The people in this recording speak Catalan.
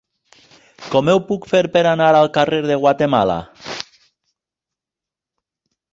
Com ho puc fer per anar al carrer de Guatemala?